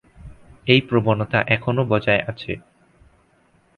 এই প্রবণতা এখনও বজায় আছে।